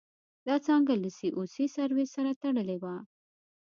دا څانګه له سي او سي سرویسس سره تړلې وه.